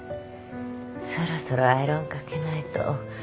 そろそろアイロンかけないと。